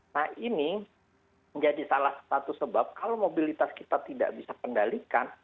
nah ini menjadi salah satu sebab kalau mobilitas kita tidak bisa kendalikan